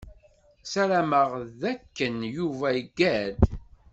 Sarameɣ d akken Yuba iggad.